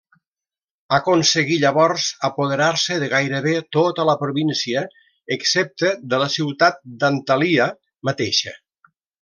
Aconseguí llavors apoderar-se de gairebé tota la província excepte de la ciutat d'Antalya mateixa.